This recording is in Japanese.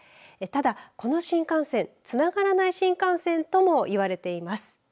ただ、この新幹線つながらない新幹線ともいわれています。